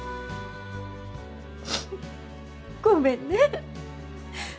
ごめんね。